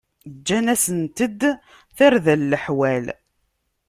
Ǧǧan-asent-d tarda n leḥwal.